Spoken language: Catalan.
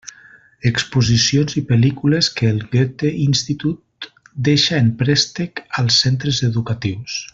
Exposicions i pel·lícules que el Goethe-Institut deixa en préstec als centres educatius.